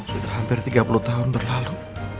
sudah hampir tiga puluh tahun berlalu